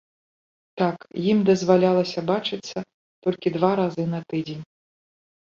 Так, ім дазвалялася бачыцца толькі два разы на тыдзень.